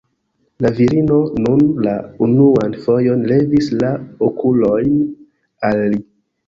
La virino nun la unuan fojon levis la okulojn al li.